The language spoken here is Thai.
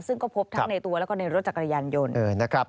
ซึ่งก็พบทั้งในตัวและรถจักรยานยนต์